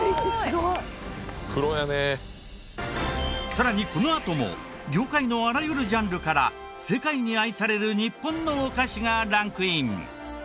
さらにこのあとも業界のあらゆるジャンルから世界に愛される日本のお菓子がランクイン。